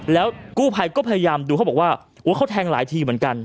แล้วกู้ภัยก็พยายามดูเขาบอกว่าเขาแทงหลายทีเหมือนกัน